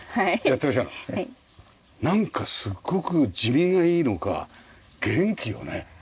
なんかすっごく地味がいいのか元気よね？